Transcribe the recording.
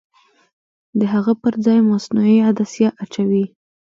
د هغه پرځای مصنوعي عدسیه اچوي.